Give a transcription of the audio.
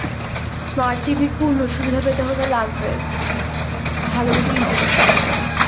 Smart টিভির পূর্ণ সুবিধা পেতে হলে লাগবে ভালো গতির ইন্টারনেট সংযোগ।